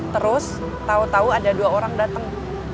terus tau tau ada dua orang datang